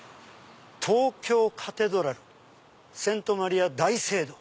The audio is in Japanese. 「東京カテドラル聖マリア大聖堂」。